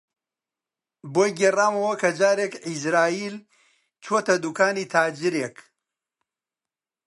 بۆی گێڕامەوە کە جارێک عیزراییل چۆتە دووکانی تاجرێک